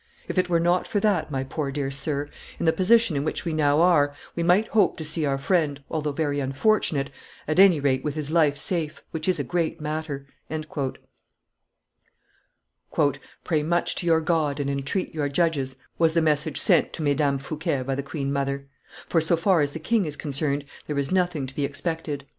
If it were not for that, my poor dear sir, in the position in which we now are, we might hope to see our friend, although very unfortunate, at any rate with his life safe, which is a great matter." "Pray much to your God and entreat your judges," was the message sent to Mesdames Fouquet by the queen Snother, "for, so far as the king is concerned, there is nothing to be expected."